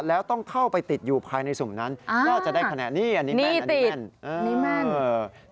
แล้วต้องเข้าไปติดอยู่ภายในสุ่มนั้นก็จะได้คะแนนนี่อันนี้แม่นอันนี้แม่นนี่แม่นเออ